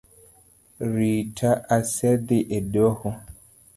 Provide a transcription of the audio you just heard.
Rita osedhi e doho